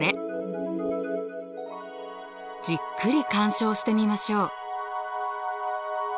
じっくり鑑賞してみましょう！